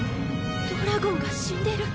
ドラゴンが死んでる。